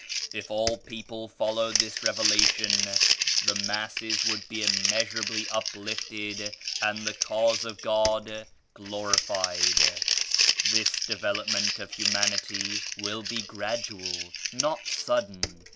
If all people followed this Revelation the masses would be immeasurably uplifted and the Cause of God glorified. This development of humanity will be gradual not sudden.